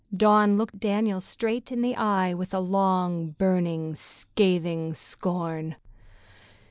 Dawn looked Daniel straight in the eye, with a long, burning, scathing scorn.